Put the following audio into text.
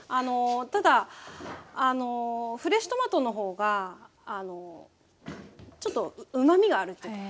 ただあのフレッシュトマトの方がちょっとうまみがあるっていうか。